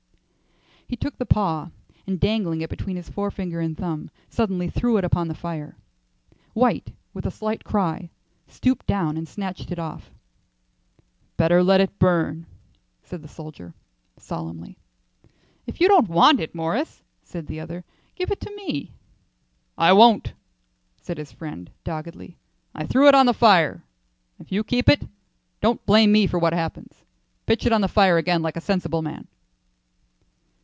He took the paw, and dangling it between his forefinger and thumb, suddenly threw it upon the fire. White, with a slight cry, stooped down and snatched it off. "Better let it burn," said the soldier, solemnly. "If you don't want it, Morris," said the other, "give it to me." "I won't," said his friend, doggedly. "I threw it on the fire. If you keep it, don't blame me for what happens. Pitch it on the fire again like a sensible man."